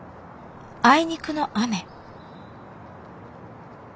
あいにくの雨。